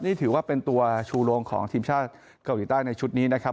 นี่ถือว่าเป็นตัวชูโรงของทีมชาติเกาหลีใต้ในชุดนี้นะครับ